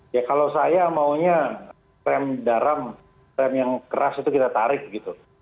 ya kalau saya maunya rem garam rem yang keras itu kita tarik gitu